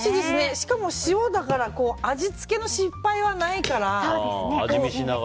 しかも塩だから味付けの失敗はないから。